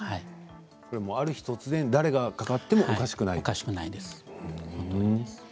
ある日突然、誰がなってもおかしくないわけですね。